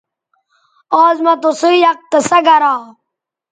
آز مہ تُسئ یک قصہ گرا